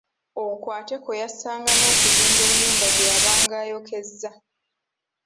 Okwo ate kwe yassanga n’okuzimba ennyumba gye yabanga ayokezza.